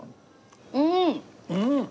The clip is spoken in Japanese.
うん！